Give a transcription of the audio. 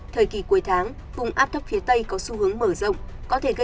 thời kỳ cuối tháng vùng áp thấp phía tây có xu hướng mở rộng